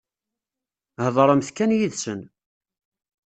Heḍṛemt kan yid-sen.